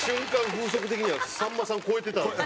風速的にはさんまさん超えてたって。